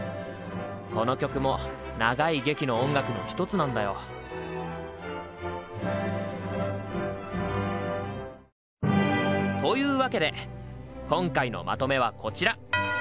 この曲も長い劇の音楽の一つなんだよ。というわけで今回のまとめはこちら！